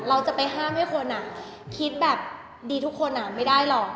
เราจะไปห้ามให้คนคิดแบบดีทุกคนไม่ได้หรอก